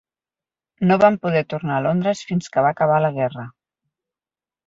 No va poder tornar a Londres fins que va acabar la guerra.